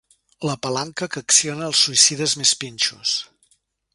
La palanca que accionen els suïcides més pinxos.